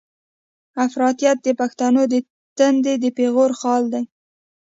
افراطيت د پښتنو د تندي د پېغور خال دی.